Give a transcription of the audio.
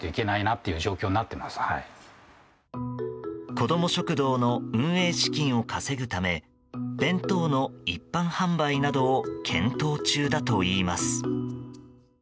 子ども食堂の運営資金を稼ぐため弁当の一般販売などを検討中だといいます。